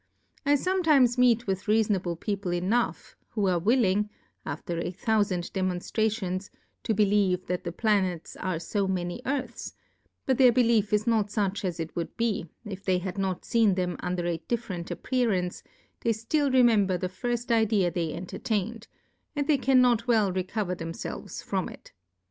I Sometimes meet with reafonable People enough, who are willing, after a Thoufand Demonftra tions, to believe that the Planets are fo many Earths : But their Belief is not fuch as it would be, if they had not feen them under a different Appearance ; they ftill remember the firft Idea they entertained, and they cannot well re cover themfelves from it.